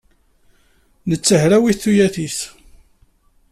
Netta hrawit tuyat-nnes.